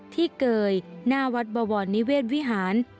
เกยหน้าวัดบวรนิเวศวิหาร